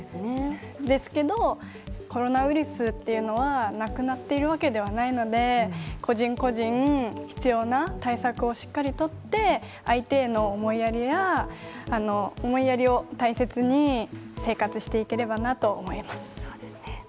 ですけどコロナウイルスというのはなくなっているわけではないので個人個人、必要な対策をしっかりとって相手への思いやりを大切に生活していければなと思います。